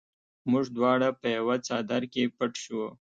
موږ دواړه په یوه څادر کې پټ شوو